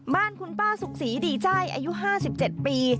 บ้านคุณป้าสุขศรีดีใจอายุ๕๗ปี